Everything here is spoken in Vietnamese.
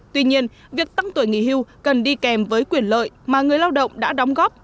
tuy nhiên việc tăng tuổi nghỉ hưu cần đi kèm với quyền lợi mà người lao động đã đóng góp